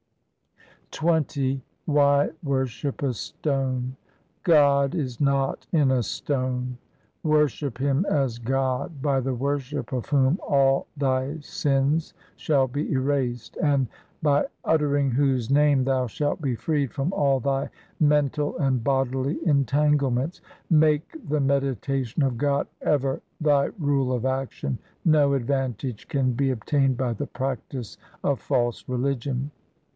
XX Why worship a stone ? God is not in a stone. Worship Him as God, by the worship of whom all thy sins shall be erased, And by uttering whose name thou shalt be freed from all thy mental and bodily entanglements. Make the meditation of God ever thy rule of action ; no advantage can be obtained by the practice of false religion.